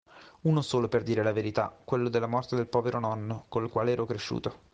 Uno solo, per dire la verità: quello de la morte del povero nonno, col quale ero cresciuto.